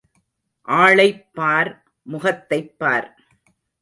ஆளைப் பார் முகத்தைப் பார்.